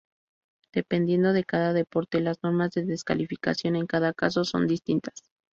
Dependiendo de cada deporte, las normas de descalificación en cada caso son distintas.